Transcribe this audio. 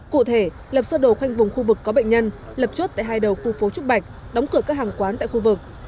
cụ thể lập sơ đồ khoanh vùng khu vực có bệnh nhân lập chốt tại hai đầu khu phố trúc bạch đóng cửa các hàng quán tại khu vực